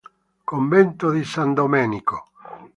Convento di San Domenico